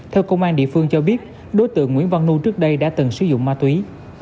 theo công an địa phương cho biết đối tượng nguyễn văn nu trước đây đã từng sử dụng ma túy